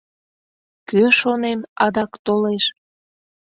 Кӧ, шонем, адак толеш?